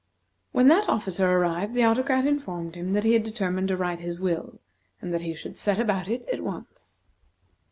When that officer arrived, the Autocrat informed him that he had determined to write his will, and that he should set about it at once.